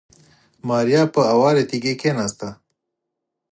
ماريا پر هوارې تيږې کېناسته.